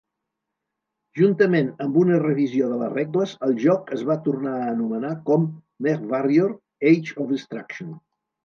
Juntament amb una revisió de les regles, el joc es va tornar anomenar com "MechWarrior: Age of Destruction".